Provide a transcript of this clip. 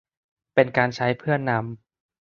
เป็นการใช้เพื่อนำ